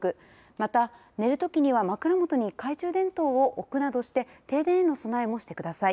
また寝るときには枕元に懐中電灯を置くなどして停電への備えもしてください。